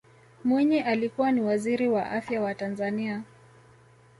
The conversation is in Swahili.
mwinyi alikuwa ni waziri wa afya wa tanzania